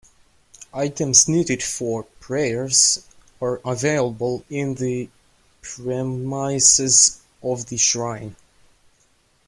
Items needed for prayers are available in the premises of the shrine.